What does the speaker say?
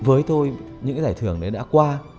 với tôi những giải thưởng đấy đã qua